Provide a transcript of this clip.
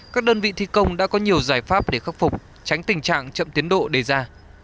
các đơn vị thi công đã có nhiều giải pháp để khắc phục tránh tình trạng chậm tiến độ đề ra